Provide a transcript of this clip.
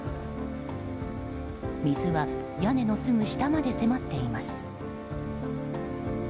水は屋根のすぐ下まで迫っています。